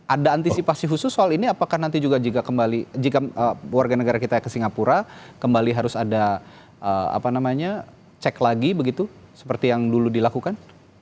ada antisipasi khusus soal ini apakah nanti juga jika kembali jika warga negara kita ke singapura kembali harus ada cek lagi begitu seperti yang dulu dilakukan